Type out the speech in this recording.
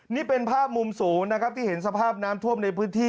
นี่เป็นภาพมุมสูงนะครับที่เห็นสภาพน้ำท่วมในพื้นที่